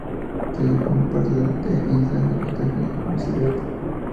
El sello forma parte de The Island Def Jam Music Group.